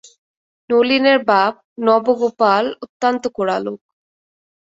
নলিনের বাপ নবগোপাল অত্যন্ত কড়া লোক।